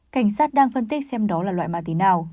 cảnh sát đang phân tích xem đó là loại ma túy nào